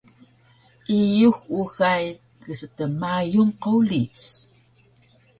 iyux uxay kstmayun qowlic